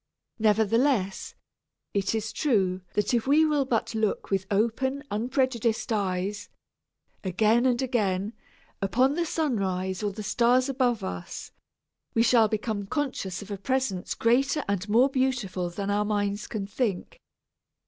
Nevertheless, it is true that if we will but look with open, unprejudiced eyes, again and again, upon the sunrise or the stars above us, we shall become conscious of a presence greater and more beautiful than our minds can think.